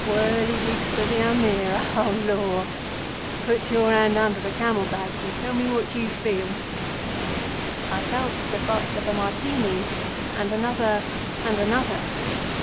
Whirligigs for the Amir, O Lor! Put your hand under the camel bags and tell me what you feel." I felt the butt of a Martini, and another and another.